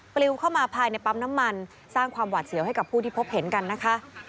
ปลิวเข้ามาภายในปั๊มน้ำมันสร้างความหวาดเสียวให้กับผู้ที่พบเห็นกันนะคะ